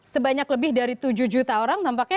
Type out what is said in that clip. sebanyak lebih dari tujuh juta orang nampaknya